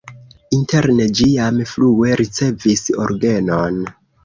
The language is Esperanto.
Interne ĝi jam frue ricevis orgenon.